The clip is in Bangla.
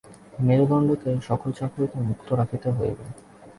মেরুদণ্ডকে সকল চাপ হইতে মুক্ত রাখিতে হইবে।